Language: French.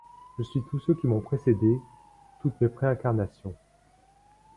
Je suis tous ceux qui m’ont précédé, toutes mes préincarnations.